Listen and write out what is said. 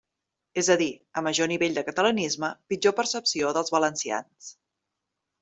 És a dir, a major nivell de catalanisme, pitjor percepció dels valencians.